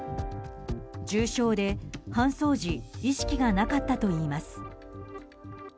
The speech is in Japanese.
重傷で搬送時意識がなかったといいます。